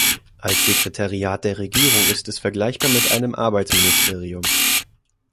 Als Sekretariat der Regierung ist es vergleichbar mit einem Arbeitsministerium.